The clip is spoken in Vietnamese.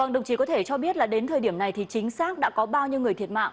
đồng chí có thể cho biết đến thời điểm này chính xác đã có bao nhiêu người thiệt mạng